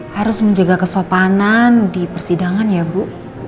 harus menjaga kesopanan di persidangan ya bu